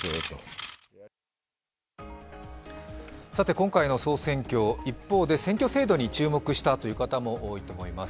今回の総選挙、一方で選挙制度に注目した方も多いと思います。